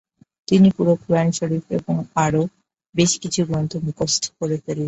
তিনি পুরো কুরআন শরীফ এবং আরো বেশকিছু গ্রন্থ মুখস্থ করে ফেলেন।